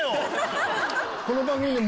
この番組で。